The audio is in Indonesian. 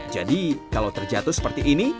jadi kalau terjatuh seperti ini